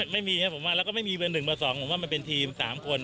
ไม่มีครับผมว่าแล้วก็ไม่มีเบอร์๑เบอร์๒ผมว่ามันเป็นทีม๓คน